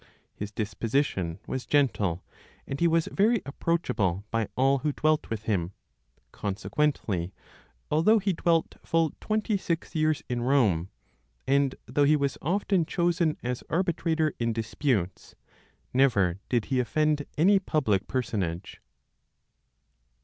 His disposition was gentle, and he was very approachable by all who dwelt with him. Consequently, although he dwelt full twenty six years in Rome, and though he was often chosen as arbitrator in disputes, never did he offend any public personage.